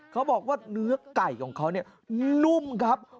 เขาบอกว่าเนื้อไก่ของเขาเนี่ยนุ่มครับ